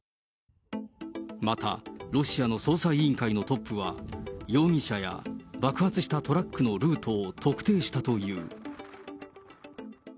またロシアの捜査委員会のトップは、容疑者や爆発したトラックのルートを特定したという。